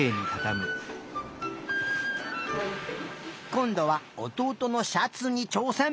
こんどはおとうとのシャツにちょうせん。